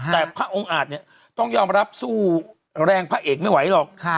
แต่พระองค์อาจเนี่ยต้องยอมรับสู้แรงพระเอกไม่ไหวหรอก